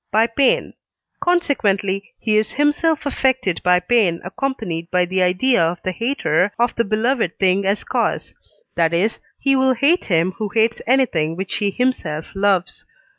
by pain; consequently he is himself affected by pain accompanied by the idea of the hater of the beloved thing as cause; that is, he will hate him who hates anything which he himself loves (III.